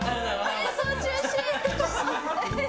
演奏中止！